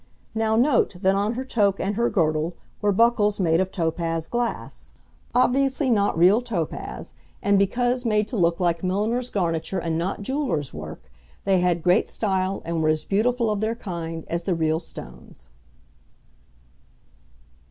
Now note that on her toque and her girdle were buckles made of topaz glass, obviously not real topaz and because made to look like milliner's garniture and not jeweler's work, they had great style and were as beautiful of their kind as the real stones.